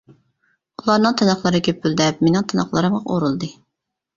ئۇلارنىڭ تىنىقلىرى گۈپۈلدەپ مېنىڭ تىنىقلىرىمغا ئۇرۇلدى.